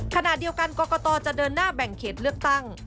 ขณะเดียวกันกรกตจะเดินหน้าแบ่งเขตเลือกตั้ง